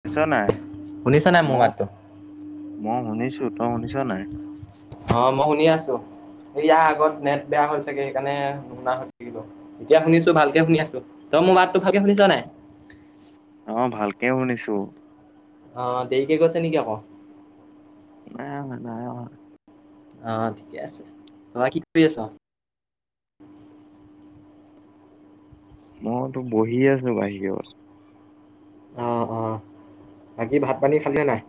শুনিছ নাই শুনিছা নাই মোৰ মই মাতটো? মই শুনিছো তই শুনিছ নাই। অ মই শুনি আছো এই ইয়াৰ আগত নেট বেয়া হল চাগে সেইকাৰণে নুশুনা হৈ থাকিলো। এতিয়া শুনিছো ভালকে শুনি আছো তই মোৰ মাতটো ভালকে শুনিছ নাই। অ', ভালকে শুনিছো। অ দেৰিকে গৈছে নেকি আকৌ। নাই অহা নাই অহা। অ ঠিকে আছে তাপা কি কৰি আছা। মইতো বহি আছোঁ বাহিৰত। অঁ অঁ বাকী ভাত পানী খালে নাই।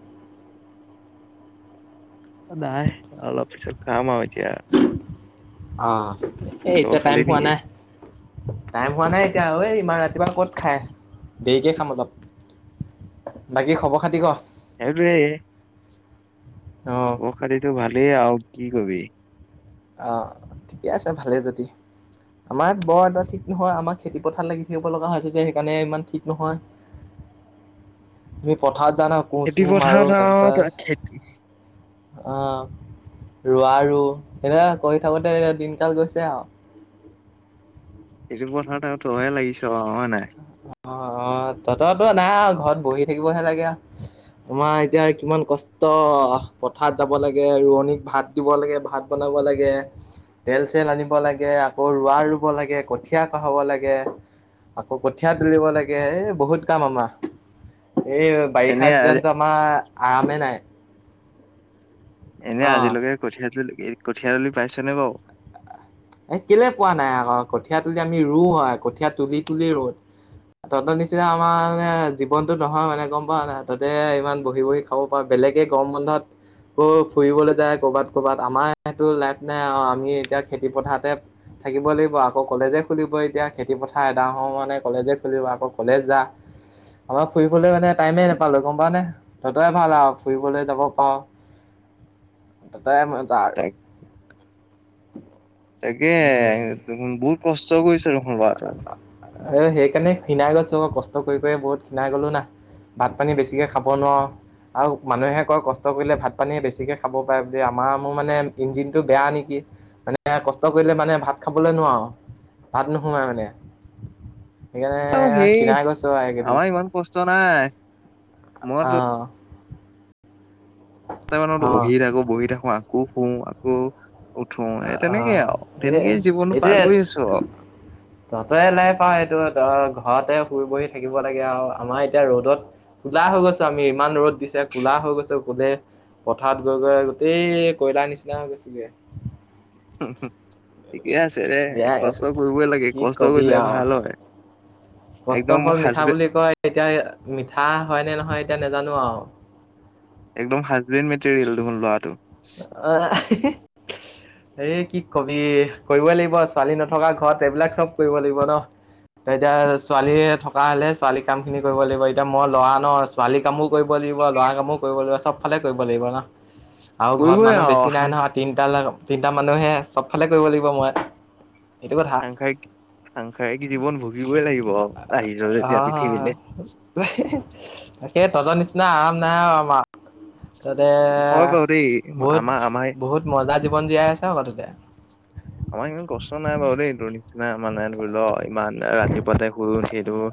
নায় অলপ পিচত খাম আৰু এতিয়া। আহ এই তই এতিয়া খালি টাইম পোৱা নেকি? নাই। টাইম হোৱা নাই এতিয়া ঐ ইমান ৰাতিপুৱা ক'ত খাই দেৰিকে খাম অলপ। বাকী খবৰ খাতি ক। সেইটোৱেই অ। খবৰ খতিটো ভালেই আৰু কি কবি। অ', ঠিকে আছে ভালেই যদি। আমাৰ ইয়াত বৰ এটা ঠিক নহয় আমাৰ খেতি পথাৰত লাগি থাকিব লগা হৈছে যে সেইকাৰণে ইমান ঠিক নহয়। [inaudible] তুমি পথাৰত জানা খেতি কোচো পথাৰত মাৰোঁ আৰু তই খেতি তাৰপিছত অ', ৰোৱা ৰুওঁ। সেনেকা কৰি থাকোঁতে দিনকাল গৈছে আৰু। খেতি পথাৰত আৰু তইয়ে লাগিছ হয় নাই। অ অ তইতো নাই অহা ঘৰত বহি থাকিবহে লাগে আৰু। তোমাৰ এতিয়া কিমান কষ্ট পথাৰত যাব লাগে ৰোৱনীক ভাত দিব লাগে ভাত বনাব লাগে। তেল চেল আনিব লাগে আকৌ ৰোৱা ৰুব লাগে কঠিয়া কহাব লাগে। আকৌ কঠীয়া তুলিব লাগে এই বহুত কাম আমাৰ এই এনে বাৰিষা আজি চিজনত আমাৰ আৰামে নাই। এনেই অ আজিলৈকে কঠিয়া তুলি কঠিয়া তুলি পাইছনে বাৰু? এ কেলে পোৱা নাই আকৌ কঠীয়া তুলি আমি ৰুওঁ হয় কঠীয়া তুলি তুলি ৰুওঁ। তহঁতৰ নিচিনা আমাৰ মানে জীৱনতো নহয় মানে গম পাৱ নাই তহঁতে ইমান বহি বহি সৰুৰ পৰা বেলেগে গৰম বন্ধত ফুৰিবলৈ যায় কৰ'বাত কৰ'বাত আমাৰ সেইটো লাইফ নাই আৰু আমি এতিয়া খেতি পথাৰতে থাকিব লাগিব আকৌ কলেজে খুলিব এতিয়া খেতিপথাৰ এডায় হওঁ মানে কলেজে খুলিব আকৌ কলেজ যা আমাৰ ফুৰিবলৈ মে টাইমে নাপালোঁ গম পাৱ নে? তহঁতৰ ভাল আৰু ফুৰিবলৈ যাব পাৰ তহঁতৰহে মজা আৰু। তাক তাকে উম বহুত কষ্ট কৰিছে দেখোন ল'ৰা টো। অ সেইকাৰণে খীণাই গৈছোঁ ক কষ্ট কৰি কৰি বহুত খীণাই গলো না। ভাত পানী বেছিকৈ খাব নোৱাৰোঁ। আৰু মানুহে কয় কষ্ট কৰিলে ভাত পানী বেছিকে খাব পাৰে বুলি আমাৰ মোৰ মানে ইঞ্জিনটো বেয়া নেকি? মানে কষ্ট কৰিলে মানে ভাত খাবলৈ নোৱাৰোঁ। ভাত নোসোমাই মানে সেইকাৰণে অ সেই খীনাই গৈছোঁ আৰু এই কেইদিন। আমাৰ ইমান কষ্ট নাই। অ মইতো আঠটা মানত অ। বহি থাকোঁ বহি থাকোঁ আকৌ শু আকৌ উঠোঙ অ সেই অ তেনেকেই আৰু সেই তেনেকেই জীৱনটো পাৰ কৰি আছোঁ আৰু। তহতই লাইফ আৰু সেইটো ত ঘৰতে শুই বহি থাকিব লাগে আৰু আমাৰ এতিয়া ৰ'দত কোলা হৈ গৈছোঁ আমি ইমান ৰ'দ দিছে কোলা হৈ গৈছোঁ কোলে পথাৰত গৈ গৈ গোটেই কয়লাৰ নিচিনা হৈ গৈছোঁগে। ঠিকে আছে দে কষ্ট সেয়াই কৰিবই লাগে কি কষ্ট কবি কৰিলে আৰু ভাল হয়। কষ্টৰ একদম ফল মিঠা হাজবেণ্ড বুলি কয়, এতিয়া মিঠা হয় নে নহয় এতিয়া নাজানো আও। একদম হাজবেণ্ড মেটেৰিয়েল দেখোন ল'ৰাটো। আঁহ এই কি কবি। কৰিব লাগিব ছোৱালী নথকা ঘৰত এইবিলাক চব কৰিব লাগিব ন। ত এতিয়া ছোৱালীয়ে থকা হলে ছোৱালী কাম খিনি কৰিব লাগিব এতিয়া মই ল'ৰা ন। ছোৱালী কামো কৰিব লাগিব, ল'ৰা কামো কৰিব লাগিব চবফালে কৰিব লাগিব ন। আৰু ঘৰত কৰিবই মানুহ আৰু বেছি নাই সাং নহয়, তিনটা‌ লৰা তিনটা মানুহে চবফালে কৰিব লাগিব মই। এইটো কথা সাংসাৰিক সাংসাৰিক কি জীৱন ভুগিবই লাগিব আহিচ যেতিয়া অহ পৃথিৱীলে। তাকে তহঁতৰ নিচিনা আৰাম নাই আও আমাৰ, তহঁতে হয় বাৰু দেই বহুত আমাৰ আমাৰ বহুত মজা জীৱন জীয়াই আছে ক তহঁতে। আমাৰ ইমান কষ্ট নাই বাৰু দেই, তোৰ নিচিনা আমাৰ নাই ধৰি ল ইমান ৰাতিপুৱাতে শুই উঠিয়েইটো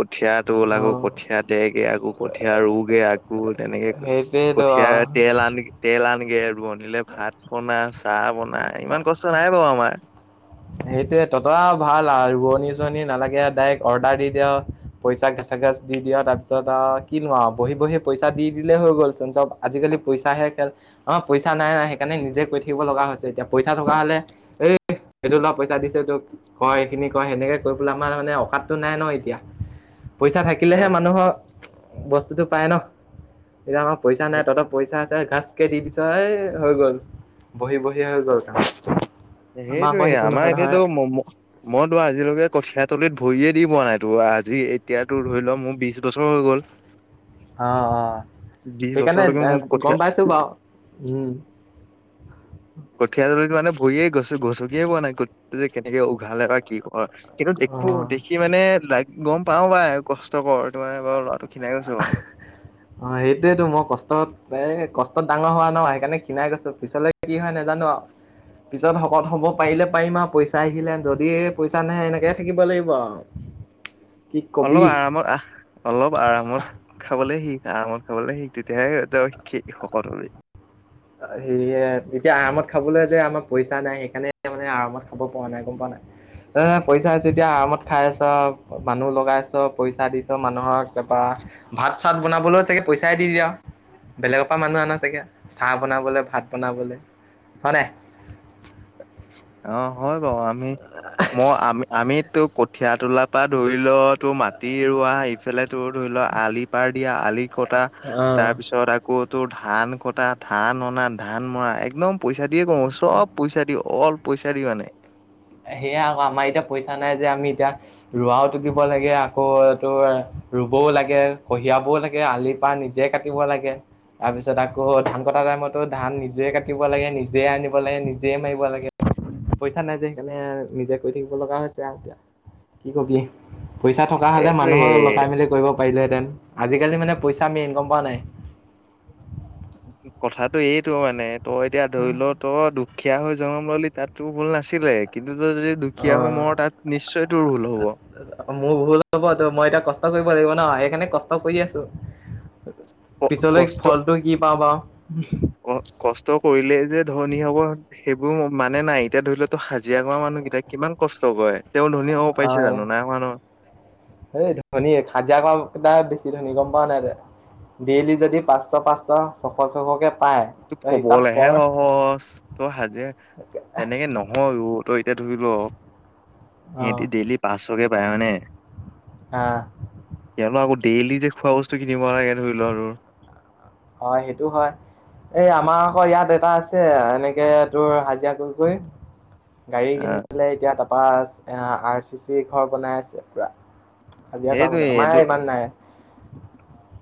কঠিয়া তোল অ আকৌ কঠীয়া দেগে আকৌ কঠীয়া ৰুগে আকৌ তেনেকে কঠিয়া সেইটোৱেইতো তেল আন তেল আনগে আৰু বনিলে ভাত বনা চাহ বনাাই ইমান কষ্ট নাই বাৰু আমাৰ। সেইটোয়ে তহঁত ভাল আও ৰোৱণী চোৱণনি নালাগে ডাইৰেক্ট অৰ্ডাৰ দি দিয়। পইচা গেচা গেচ দি দিয়, তাৰ পিছত আহ কিনো আও বহি বহি পইচা দি দিলে হৈ গ'লচোন, চব আজিকালি পইচাহে খেল অঁ পইচ চা নাই সেইকাৰণে নিজে কৰি থাকিব লগা হৈছে, এতিয়া পইচা থকা হলে এই এইটো অলপ পইচা দিছো তোক কৰ এইখিনি কৰ সেনেকে কৈ পেলাই আমাৰ মানে অকাততো নাই ন এতিয়া। পইচা থাকিলেহে হয় মানুহৰ বস্তুটো পায় ন, এতিয়া আমাৰ পইচা নাই তহঁত পইচা ত‌ই গাছ কে দি দিছই ঐ হৈ গল বহি বহি হৈ গল তাৰ। সেইটোয়ে আমাৰ এতিয়াতো ম'ম মইতো আজিলৈকে কঠিয়া তলিত ভৰিয়ে দি পোৱা নাই তো আজি এতিয়াতো ধৰি লও মোৰ বিশ বছৰ হৈ গ'ল। [unintelligible] অঁ অঁ বিশ সেইকাৰণে বছৰলৈকে মোৰ কঠীয়া গম পাইছো বাৰু উম। কঠীয়া তলিত মানে ভৰিয়ে গচ গচকিয়ে পোৱা নাই কঠীয়া তল কেনেকে উঘালে বা কি কৰে। কিন্তু অ দেখো দেখি মানে লাইক গম পাও বাই কষ্টকৰ তোমাৰ মে বাৰু ল'ৰাটো ক্ষিনাই গৈছো বাওঁ। অঁ সেইটোয়েতো মই কষ্টত এই কষ্টত ডাঙৰ হোৱা ন সেইকাৰণে ক্ষিনাই গৈছো পিছলৈ কি হয় নাজানো আও। পিছত শকত হব পাৰিলে পাৰিম আও পইচা আহিলে যদি পইচা নাহে এনেকে থাকিব লাগিব আও। অলপ আৰামত আহ অলপ আৰামত খাবলে সি আৰামত খাবলে শিখ তেতিয়াহে তই শি শকত হয়। হেয়ে এতিয়া আৰামত খাবলৈ যে আমাৰ পইচা নাই সেইকাৰণে মানে আৰামত খাব পৰা নাই গম পোৱা নাই। ত‌ই পইচা যেতিয়া আৰামত খাই আছ মানুহ লগাইছ পইচা দিছ মানুহক তাৰপৰা ভাত চাত বনাবলৈও চাগে পইচাই দি দিয়, আৰু বেলেগৰ পৰা মানুহ আন চাগে। চাহ বনাবলৈ ভাত বনাবলৈ হয় নাই? অঁ হয় বাও আমি মই আমি আমি তো কঠিয় তোলাৰ পৰা ধৰি ল তোৰ মাটি ৰোৱা ইফালে তোৰ ধৰি ল আলি পাৰ দিয়া আলি কটা অ'। তাৰ পিছত আ কৌ তোৰ ধান কটা ধান অনা ধান মৰা একদম পইচা দিয়ে কৰো চব পইচা দি অল পইচা দি মানে। সেয়া আকৌ আমাৰ এতিয়া পইচা নাই যে আমি এতিয়া ৰোৱাওতো দিব লাগে, আকৌ এইটো ৰুবও লাগে কঢ়িয়াবও লাগে আলি পাৰ নি জে কাটিব লাগে। তাৰপিছত আকৌ ধান কটা টাইমতো ধান নিজে কাটিব লাগে, নিজে আনিব লাগে নিজে মাৰিব লাগে। পইচা নাই যে সেইকাৰণে আৰ নিজে কৰি থাকিব লগা হৈছে আও এতিয়া। কি কবি। পইচা থকা হ'লে এইটোৱে মানুহৰ লগাই-মেলি কৰিব পাৰিলোঁহেতেন। আজিকালি মানে পইচা মেইন গম পাৱ নাই? কথাটো এইটো মানে তই এতিয়া ধৰি ল'। তহঁত দুখীয়া হৈ জনম ললি তাতটোৰ ভুল নাছিলে, কিন্তু তই যদি দুখীয়া হৈ অ', মৰ তাত, নিশ্চয় তোৰ ভুল হ'ব। মোৰ ভুল হ'ব। ত' মই এতিয়া কষ্ট কৰিব লাগিব ন'? সেইকাৰণে কষ্ট কৰি আছোঁ। পিছলৈ ফলটো কি পাও বাও? অ। কষ্ট কৰিলেই যে ধনী হ'ব সেইবোৰ মানে নাই। এতিয়া ধৰি ল' ত' হাজিৰা কৰা মানুহকেইটাই কিমান কষ্ট কৰে। তেওঁ ধনী হ'ব পাইছে হয় জানো? নাই হোৱা ন'। এই ধনী, হাজিৰা কৰা কেইটায়ে বেছি ধনী। গম পাৱ নাই তই? ডেইলি যদি পাঁচশ-পাঁচশ ছশ-ছশকে পায়। তই হিচাপ ক'বলৈহে কৰ সহজ। তই সাজে। তেনেকে নহয়, তই এতিয়া ধৰি ল' অ সিহেতি ডেইলি পাঁচশকে পায় হয়নে? আ। তেওঁলোক' আকৌ দেইলি যে খোৱা বস্তু কিনিব লাগে ধৰি ল'লো। হয়, সেইটো হয়। এ, আমাৰ আকৌ ইয়াত এটা আছে, এনেকে তোৰ হাজিৰা কৰি কৰি গাড়ী কিনি আহ নিলে, এতিয়া তাৰপা এ আৰ চি চিৰ ঘৰ বনাই আছে পুৰা। হাজিৰা কৰা সেইটোৱে মানু্হ, এইটো আমাৰে ইমান নাই।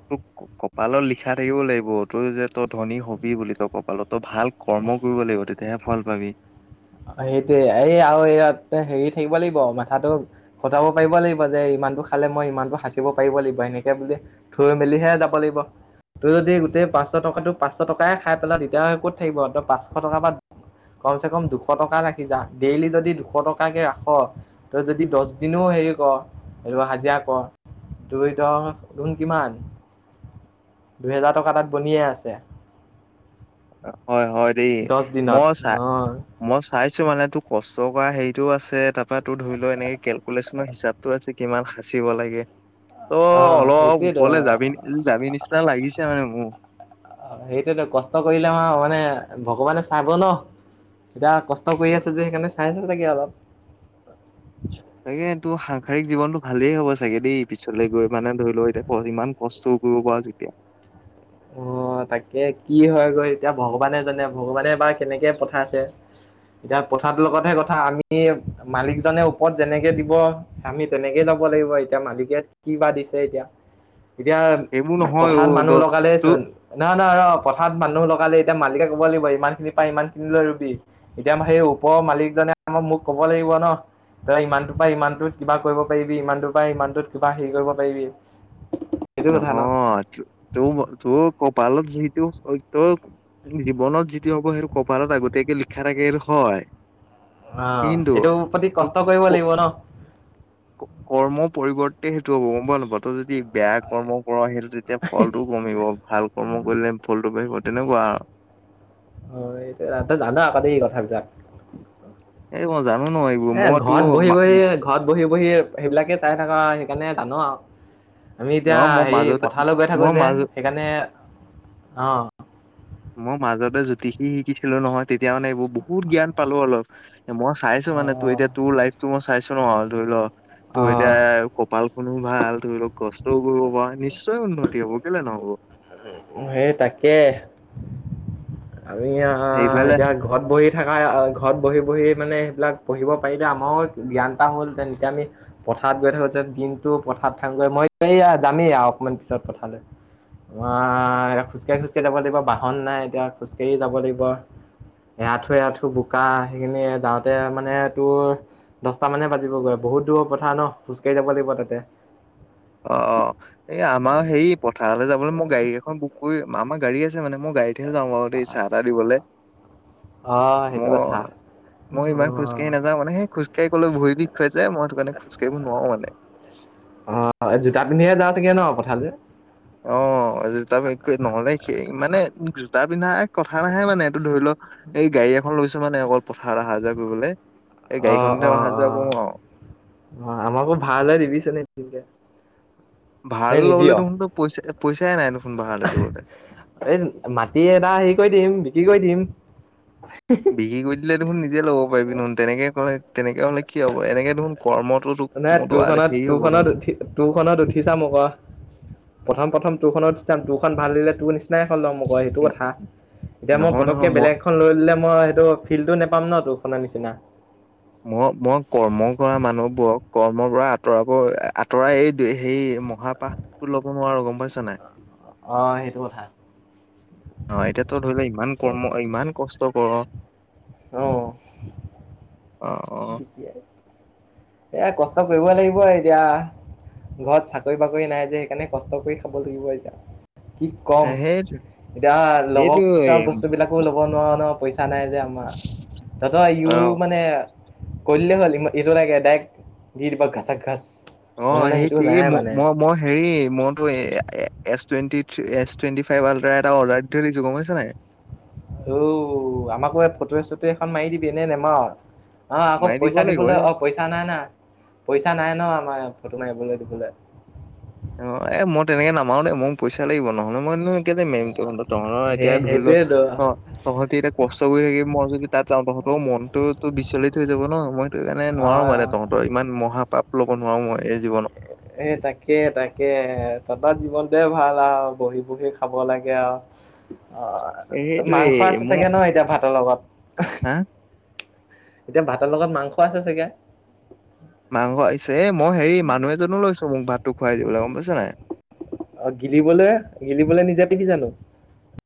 তোক, কপালত লিখা থাকিব লাগিব। তই যে তই ধনী হ'বি বুলি, তই কপালত তই ভাল কৰ্ম কৰিব লাগিব, তেতিয়াহে ফল পাবি। সেইটোয়ে, এই আৰু ইয়াত হেৰি থাকিব লাগিব- মাথাটো। খটাব পাৰিব লাগিব যে ইমানটো খালে মই ইমানটো সাঁচিব পাৰিব লাগিব এনেকে বুলি। থৈ মেলিহে যাব লাগিব। তই যদি গোটেই পাঁচশ টকাটো পাঁচশ টকাই খাই পেলা তেতিয়াহ'লে ক'ত থাকিব? পাঁচশ টকাৰ পা কমচে কম দুশ টকা ৰাখি যা। ডেইলি যদি দুশ টকাকে ৰাখ'। তই যদি দচ দিনো হেৰি কৰ' এনেকুৱা হাজিৰা কৰ'। দুই দহ গুণ কিমান? দুহেজাৰ টকা তাত বনিয়ে আছে। হয়, হয় দেই। দহ দিনত মই চা অ মই চাইছো মানে তোৰ কষ্ট কৰা হেৰিটোও আছে, তাৰ পা তোৰ ধৰি ল', এনেকে কেলকুলেশ্যনৰ হিচাপ টো আছে, কিমান সাঁচিব লাগে। ত' অ অলপ ওপৰলে যাবি সেইটোৱেতো যাবি নিচিনা লাগিছে মানে মো। সেইটোয়েটো, কষ্ট কৰিলে মাৰ মানে ভগৱানে চাব ন', যাৰ কষ্ট ত কৰি আছোঁ যে সেইকাৰনে চাই আছে চাগে অলপ। চাগে তোৰ সাংসাৰিক জীৱনটো ভালেই হ'ব চাগে দেই, পিছলৈ গৈ মানে ধৰি লও ইটা ফল, ইমান কষ্টও কৰিব পাৰ যেতিয়া। অ, তাকে। কি হয় গৈ এতিয়া ভগৱানে জানে। ভগৱানে বা কেনেকে পঠাইছে? এতিয়া কথাটোৰ লগতহে কথা, আমি মালিকজনে ওপৰত যেনেকে দিব আমি তেনেকে ল'ব লাগিব, এতিয়া মালিকে কি বা দিছে এতিয়া? এতিয়া, সেইবোৰ নহয় অ পথাৰত ত মানুহ লগালে তোৰ ন ন ৰহ। পথাৰাত মানুহ লগালেই এতিয়া মালিকে ক'ব লাগিব, ইমানখিনি পায় ইমানখিনিলৈ ৰুবি। এতিয়া আ সেই ওপৰৰ মালিকজনে আহা মোক ক'ব লাগিব ন'। তই ইমানটোৰ পৰা ইমানটো কিবা কৰিব পাৰিবি, ইমানটোৰ পৰা ইমানটো কিবা হেৰি কৰিব পাৰিবি। সেইটো কথা ন নহয় তোৰ কপালত যিহেতু সত্য জীৱনত যিটো হ'ব সেইটো কপালত আগতীয়াকে লিখা থাকে সেইটো হয়। অ', সেইটো প্ৰতি কষ্ট কৰিব লাগিব ন'? কৰ্ম পৰিৱৰ্তে সেইটো হ'ব গ'ম পাৱ নে নাপাৱ, তই যদি বেয়া কৰ্ম কৰ সেইটো যেতিয়া ফলটো কমিব ভাল কৰ্ম কৰিলে ফলটো বাঢ়িব তেনেকুৱা আৰু। হয়, তই জান আকৌ দেই এই কথাবিলাক। এই মই জানো নহয় ইবুৰ এ মইতো ঘৰত বহি বহি ঘৰত বহি বহি সেইবিলাকে চাই থকা হয়, সেইকাৰণে জানো আৰু। আমি এতিয়া নহয় মই হে মাজতে পথাৰলৈ গৈ থাকো মই যে, মাজ সেইকাৰণে অ'। মই মাজতে জ্যোতিষী শিকিছিলো নহয় তেতিয়া মানে এইবোৰ বহুত জ্ঞান পালোঁ অলপ। মই চাইছো মানে তোৰ অ এতিয়া অ তোৰ লাইফটো মই চাইছো নহয় ধৰি ল' তোৰ এতিয়া অ'। কপালখনো ভাল ধৰি লওক কষ্টও কৰিব পাৰ নিশ্চয় উন্নতি হ'ব কেলে নহ'ব। সেই তাকে। আৰু ইয়া এইফালে এতিয়া ঘৰত বহি থকা ঘৰত বহি বহি মানে সেইবিলাক পঢ়িব পাৰিলে আমাৰো জ্ঞান এটা হ'ল হেতেন, এতিয়া আমি পথাৰত গৈ থাকো যে, দিনটো পথাৰত থাকোগৈ মই এই যামেই অকমান পিছত পথাৰলৈ। আহ খোজকাঢ়ি খোজ কাঢ়ি যাব লাগিব বাহন নাই এতিয়া খোজকাঢ়ি যাব লাগিব। এআঠু এআঠু বোকা সেইখিনি যাওঁতে মানে তোৰ দহটা মানে বাজিবগৈ, বহুত দূৰ পথাৰ ন' খোজ কাঢ়ি যাব লাগিব তাতে। অ', অ', এই আমাৰ হেৰি পথাৰলৈ যাবলৈ মই গাড়ী এখন বুক কৰি আমাৰ গাড়ী আছে মানে মই গাড়ীত হে যাওঁ বাৰু দেই চাহ-তাহ দিবলৈ। অ', সেইটো কথা। মই মই ইমান খোজকাঢ়ি অ'। নাযাওঁ, মানে খোজকাঢ়ি গ'লে ভৰি বিষ হয় যে, মই সেই টো কাৰণে খোজকাঢ়িব নোৱাৰো মানে। অ', এই জোতা পিন্ধিহে যাওঁ চাগে ন' পথাৰলৈ? অ' জোতা নহ'লে সেই মানে জোতা পিন্ধা এক কথা নাহে মানে তোৰ ধৰি ল' এই গাড়ী এখন লৈছো মানে অকল পথাৰত অহা যোৱা কৰিবলৈ, এই অ' গাড়ীখনতে অ' অহা অ' যোৱা কৰো আৰু। অ', আমাকো ভাৰালে দিবিচোন এদিনকৈ। ভাৰালৈ লবলৈ দেখোনো পইচা পইচাই নাই দেখোন ভাৰালৈ দিবলৈ। এই মাটি এডৰা হেৰি কৰি দিম বিক্ৰী কৰি দিম। বিক্ৰী কৰি দিলে দেখোন নিজে ল'ব পাৰি নহোন তেনেকে ক'লে তেনেকে হ'লে কি হ'ব এনেকে দেখোন কৰ্মটোতো মইতো হেৰি হ'ব দেখোন। তোৰ খনত উঠি চাম আকৌ, প্ৰথম প্ৰথম তোৰ খনত উঠি চাম তোৰ খন ভাল দিলে তোৰ নি চিনা এখন ল'ম আকৌ সেইটো না কথা, এতিয়া মই নহয় নহয় পতককে মই বেলেগ খন লৈ ললে মই সেইটো ফিলটো নোপাম ন' তোৰ খনৰ নিচিনা। মই মই কৰ্ম কৰা মানুহবোৰক কৰ্মৰ পৰা আঁতৰাবোৰ আঁতৰাই এই সেই অহা পাহটো ল'ব নোৱাৰো গ'ম পাইছ নাই? অ', সেইটো কথা। অ', এতিয়া তই ধৰি ল' ইমান ঠিকে আছে। কৰ্ম ইমান কষ্ট কৰ। অ', অ [unintelligible] এইয়া কষ্ট কৰিব লাগিব এতিয়া। ঘৰত চাকৰি-বাকৰি নাই যে, সেইকাৰণে কষ্ট কৰি খাব লাগিব এতিয়া। কি কম সেইটো এতিয়া লগৰ সেইটোৱে পইচা বস্তুবিলাক ল'ব নোৱাৰো নহয় পইচা নাই যে আমাৰ। তহঁতৰ অ ইও মানে কৈ দিলেই হ'ল ইটো লাগে ডাইৰেক্ট দি দিব ঘাচা ঘাঁচ। অ', সেইটোৱে ম-মই মই হেৰি মইতো এ এ S twenty, S twenty five ultra এটা অৰ্ডাৰ দি থৈ দিছো গম হৈছে নাই? অ', আমাকো এই ফটো চটো এখন মাৰি দিবি নে নেমাৰ'? অ', আকৌ মাৰি দিব পইচা লাগিব দিবলৈ এই অ', পইচা নাই না পইচা নাই ন' আমাৰ ফটো মাৰিবলৈ দিবলৈ অ', এ মই তেনেকে নামাৰো দেই মোৰ পইচা লাগিব নহলে মই [unintelligible] তহঁতৰ এতিয়া সেই ধৰি ল' সেইটোৱেতো অ' তহঁতি এতিয়া কষ্ট কৰি থাকি মই যদি তাত যাওঁ তহঁতৰ মনতোতো বিচলিত হৈ যাব ন' মই সেই কাৰণে অ নোৱাৰো মানে তহঁতৰ ইমান মহাপাপ ল'ব নোৱাৰো মই এই জীৱনত এ তাকে তাকে ততৰ জীৱনটোৱে ভাল আৰু বহী বহী খাব লাগে আৰু অ', এ ত' সেইটোৱে মাংস আছে মই ছাগে ন' এতিয়া ভাতৰ লগত? হা এতিয়া ভাতৰ লগত মাংস আছে চাগে? মাংস আহিছে এ মই হেৰি মানুহ এজনো লৈছো মোক ভাতটো খুৱাই দিবলৈ গম পাইছ' নাই? অ', গিলিবলৈ গিলিবলে নিজে টিবি জানো?